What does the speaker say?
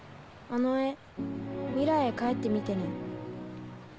あの絵未来へ帰って見てね。